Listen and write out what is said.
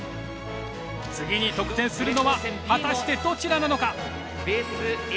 次に得点するのは果たしてどちらなのか？